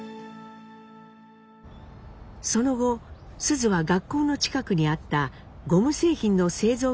その後須壽は学校の近くにあったゴム製品の製造会社へ就職します。